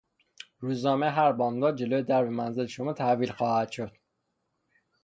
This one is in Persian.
روزنامه هر بامداد جلو درب منزل شما تحویل خواهد شد.